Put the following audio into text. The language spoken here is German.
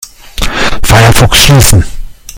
Firefox schließen.